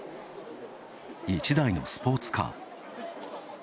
１台のスポーツカー。